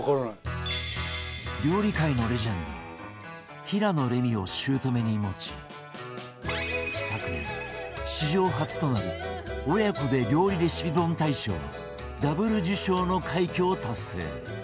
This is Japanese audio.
料理界のレジェンド平野レミを姑に持ち昨年史上初となる親子で料理レシピ本大賞 Ｗ 受賞の快挙を達成